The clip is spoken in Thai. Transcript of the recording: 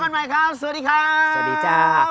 วันใหม่ครับสวัสดีครับสวัสดีจ้า